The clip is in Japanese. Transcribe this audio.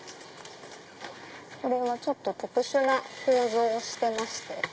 これは特殊な構造をしてまして。